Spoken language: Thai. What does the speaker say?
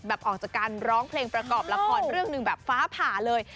ออกจากการร้องเพลงประกอบละครเรื่องหนึ่งแบบฟ้าผ่าเลย